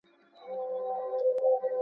یا یې په برخه د لېوه داړي !.